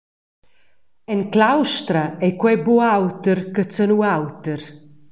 En claustra ei quei buc auter che zanu’auter.